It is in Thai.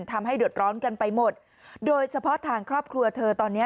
ทำให้เดือดร้อนกันไปหมดโดยเฉพาะทางครอบครัวเธอตอนเนี้ย